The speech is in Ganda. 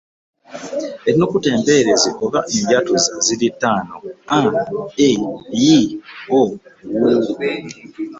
Ennukuta empeerezi oba enjatuza ziri ttaano A, E, I, O, U.